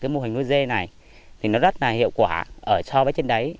cái mô hình nuôi dê này thì nó rất là hiệu quả ở so với trên đấy